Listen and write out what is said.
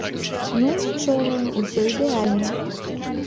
Ну, нічога, усё ідэальна!